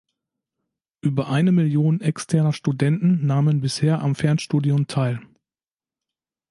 Über eine Million externer Studenten nahmen bisher am Fernstudium teil.